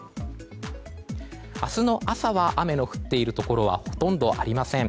明日朝は雨の降っているところはほとんどありません。